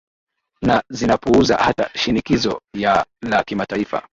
na zinapuuza hata shinikizo ya la kimataifa